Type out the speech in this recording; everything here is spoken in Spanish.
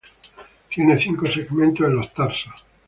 Tiene cinco segmentos en los tarsos.